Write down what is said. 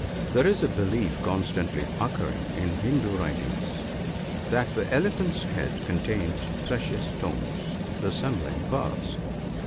— There is a belief, constantly occurring in Hindoo writings, that the elephant's head contains precious stones, resembling pearls.